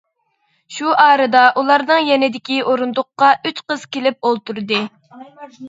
شۇ ئارىدا ئۇلارنىڭ يېنىدىكى ئورۇندۇققا ئۈچ قىز كېلىپ ئولتۇردى.